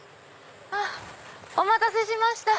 お待たせしました。